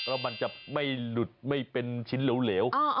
แล้วมันจะไม่หลุดไม่เป็นชิ้นเหลว